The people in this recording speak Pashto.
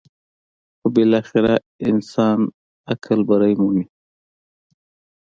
خو بالاخره انساني عقل برۍ مومي.